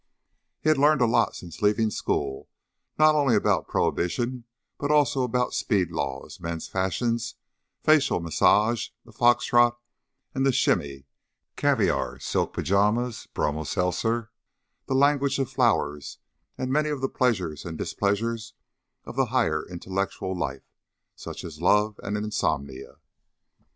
He had learned a lot since leaving school, not only about prohibition, but also about speed laws, men's fashions, facial massage, the fox trot and the shimmy, caviar, silk pajamas, bromo seltzer, the language of flowers, and many of the pleasures and displeasures of the higher intellectual life, such as love and insomnia.